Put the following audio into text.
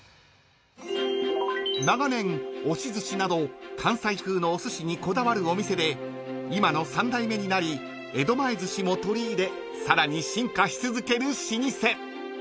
［長年押しずしなど関西風のおすしにこだわるお店で今の３代目になり江戸前ずしも取り入れさらに進化し続ける老舗］